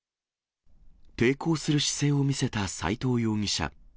抵抗する姿勢を見せた斎藤容疑者。